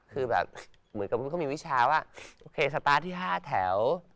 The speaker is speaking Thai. คือแบบเหมือนกันว่ามีวิชาสตาร์ตที่๕แถว